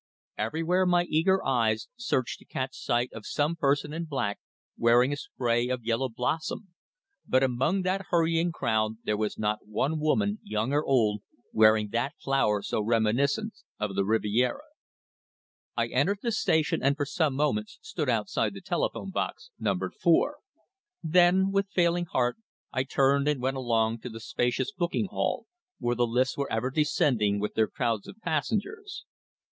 Everywhere my eager eyes searched to catch sight of some person in black wearing a spray of yellow blossom, but among that hurrying crowd there was not one woman, young or old, wearing that flower so reminiscent of the Riviera. I entered the station, and for some moments stood outside the telephone box numbered 4. Then, with failing heart, I turned and went along to the spacious booking hall, where the lifts were ever descending with their crowds of passengers.